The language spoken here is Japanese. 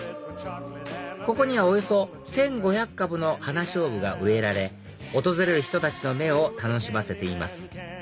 ここにはおよそ１５００株のハナショウブが植えられ訪れる人たちの目を楽しませています